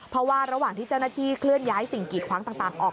เพราะว่าระหว่างที่เจ้าหน้าที่เคลื่อนย้ายสิ่งกีดขวางต่างออก